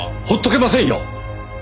放っとけませんよ！